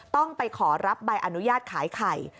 ต้องไปขอรับใบอนุญาตขายไข่